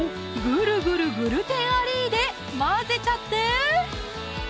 グルグルグルテンアリーで混ぜちゃって！